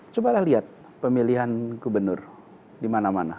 cobalah lihat pemilihan gubernur di mana mana